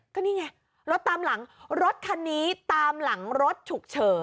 ก็นี่ไงรถตามหลังรถคันนี้ตามหลังรถฉุกเฉิน